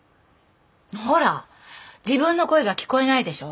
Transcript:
ほら自分の声が聞こえないでしょ。